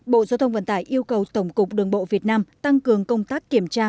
bộ giao thông vận tải yêu cầu tổng cục đường bộ việt nam tăng cường công tác kiểm tra